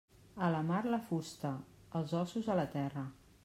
A la mar, la fusta; els ossos, a la terra.